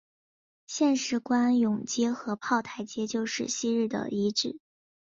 现时官涌街和炮台街就是昔日的遗址。